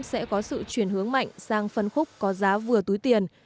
sẽ có sự chuyển hướng mạnh sang phân khúc có giá vừa túi tiền